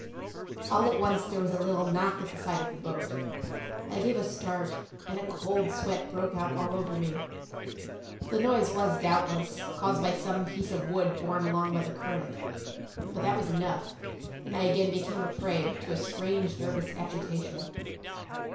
All at once there was a little knock at the side of the boat. I gave a start, and a cold sweat broke out all over me. The noise was, doubtless, caused by some piece of wood borne along by the current, but that was enough, and I again became a prey to a strange nervous agitation.